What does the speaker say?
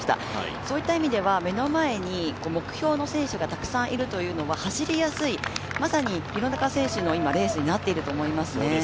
そういった意味では目の前に目標の選手がたくさんいるというのは走りやすい、まさに廣中選手のレースになっていると思いますね。